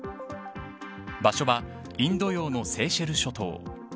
場所はインド洋のセーシェル諸島。